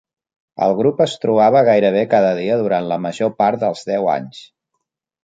El grup es trobava gairebé cada dia durant la major part dels deu anys.